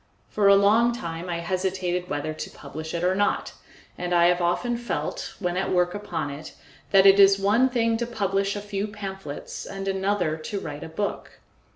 For a long time I hesitated whether to publish it or not, and I have often felt, when at work upon it, that it is one thing to publish a few pamphlets and another to write a book.